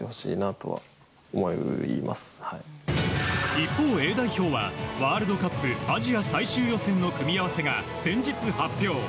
一方、Ａ代表はワールドカップアジア最終予選の組み合わせが先日発表。